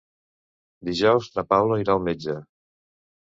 Dijous na Paula irà al metge.